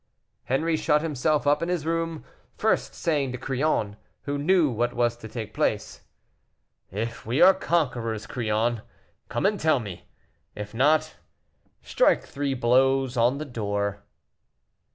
Henri shut himself up in his own room, first saying to Crillon, who knew what was to take place, "If we are conquerors, Crillon, come and tell me; if not, strike three blows on the door."